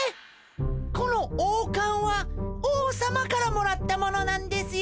この王かんは王さまからもらったものなんですよ。